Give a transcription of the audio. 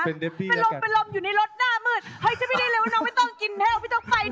เป็นลุมอยู่ในรถหน้ามืด